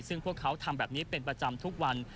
ซึ่งพวกเขาทำแบบนี้เป็นประจำทุกวัน